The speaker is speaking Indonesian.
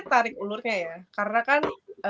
tarik ulurnya ya karena kan